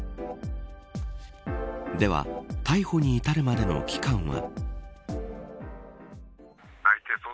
では、逮捕に至るまでの期間は。